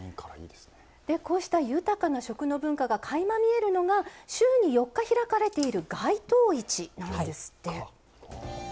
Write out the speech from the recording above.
こうした豊かな食の文化がかいま見えるのが週に４日開かれている街頭市です。